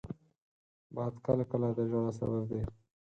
باد کله کله د ژړا سبب دی